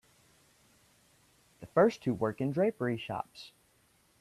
The first two work in drapery shops.